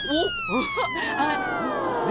うわっ！